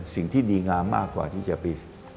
สิ่งที่ดีงามมากกว่าที่จะไป